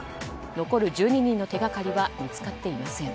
残る１２人の手掛かりは見つかっていません。